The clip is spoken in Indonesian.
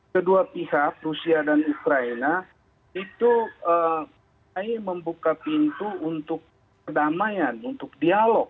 kedua pihak rusia dan ukraina itu membuka pintu untuk kedamaian untuk dialog